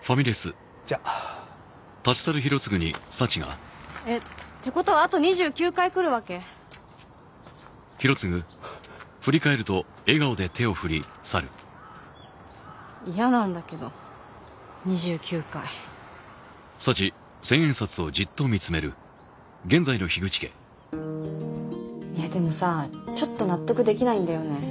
じゃあえっってことはあと２９回来る嫌なんだけど２９回でもさちょっと納得できないんだよね